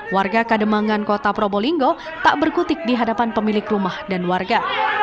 warga kademangan kota probolinggo tak berkutik di hadapan pemilik rumah dan warga